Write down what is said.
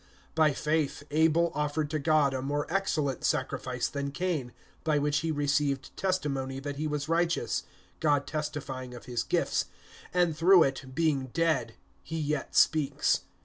(4)By faith Abel offered to God a more excellent sacrifice than Cain, by which he received testimony that he was righteous, God testifying of his gifts; and through it, being dead, he yet speaks.